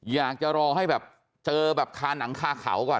อยากจะรอให้เจอคานังคาขาวก่อน